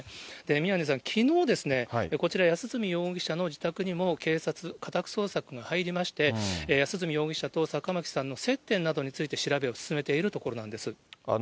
宮根さん、きのうですね、こちら、安栖容疑者の自宅にも、警察、安栖容疑者と坂巻さんの接点などについて、調べを進めているところなんです。